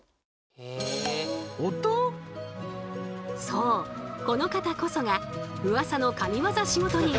そうこの方こそがうわさの神ワザ仕事人。